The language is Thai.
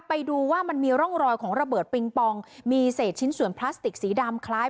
ไปดูว่ามันมีร่องรอยของระเบิดปิงปองมีเศษชิ้นส่วนพลาสติกสีดำคล้าย